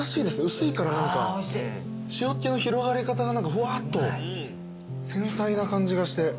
薄いから何か塩っ気の広がり方がフワっと繊細な感じがして。